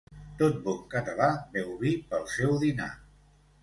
Tot bon català beu vi pel seu dinar.